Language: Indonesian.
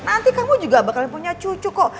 nanti kamu juga bakalan punya cucu kok